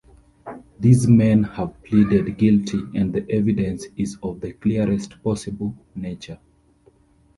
These men have pleaded guilty, and the evidence is of the clearest possible nature.